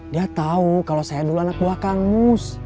dia tau kalau saya dulu anak buah kang mus